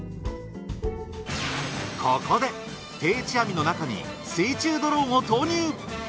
ここで定置網の中に水中ドローンを投入！